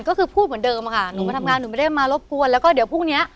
ก็คือพูดเหมือนเดิมค่ะหนูมาทำงานหนูไม่ได้มารบกวนแล้วก็เดี๋ยวพรุ่งเนี้ย